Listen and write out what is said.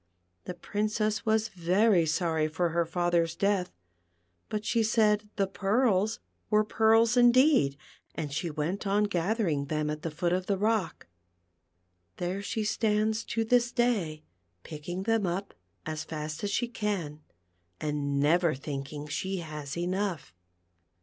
The Princess was very sorry for her father's death, but she said the pearls were pearls indeed, and she went on gathering them at the foot of the rock. There she stands to this day picking them up as fast as she can, and never thinking she has enough.